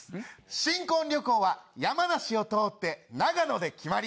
新婚旅行は山梨を通って、長野で決まり。